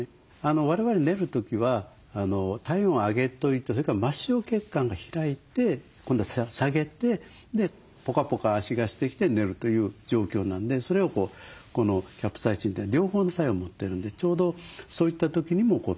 我々寝る時は体温を上げといてそれから末梢血管が開いて今度は下げてポカポカ足がしてきて寝るという状況なんでそれをこのキャプサイシンって両方の作用を持ってるんでちょうどそういった時にもピッタリですよね。